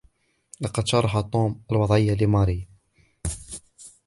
لقد شرح طوم الوضعية لماري